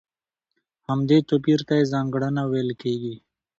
همدې توپير ته يې ځانګړنه ويل کېږي.